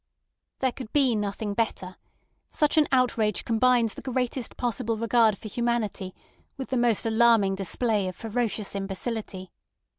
"There could be nothing better. Such an outrage combines the greatest possible regard for humanity with the most alarming display of ferocious imbecility.